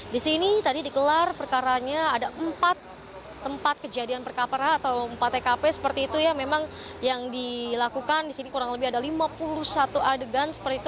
di sini tadi dikelar perkaranya ada empat tempat kejadian perkara atau empat tkp seperti itu ya memang yang dilakukan di sini kurang lebih ada lima puluh satu adegan seperti itu